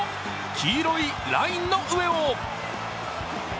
黄色いラインの上を。